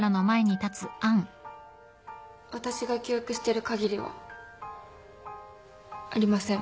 私が記憶してるかぎりはありません。